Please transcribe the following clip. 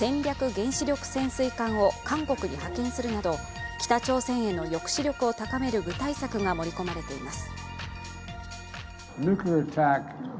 原子力潜水艦を韓国に派遣するなど、北朝鮮への抑止力を高める具体策が盛り込まれています。